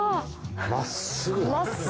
まっすぐ。